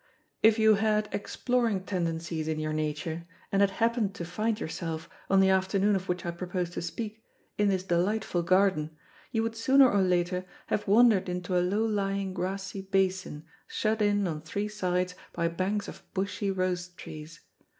If you had exploring tendencies in your nature, and had happened to find yourself, on the afternoon of which I propose to speak, in this delightful garden, you would sooner or later have wandered into a low lying grassy basin, shut in on three sides by banks of bushy rose trees.